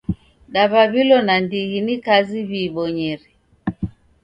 Daw'aw'ilo nandighi ni kazi w'iibonyere.